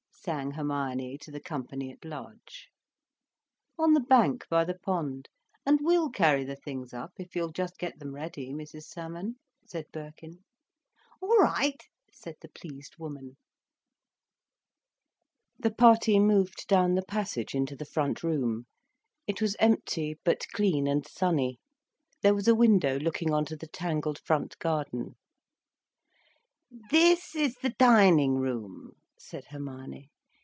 sang Hermione to the company at large. "On the bank by the pond. And we'll carry the things up, if you'll just get them ready, Mrs Salmon," said Birkin. "All right," said the pleased woman. The party moved down the passage into the front room. It was empty, but clean and sunny. There was a window looking on to the tangled front garden. "This is the dining room," said Hermione.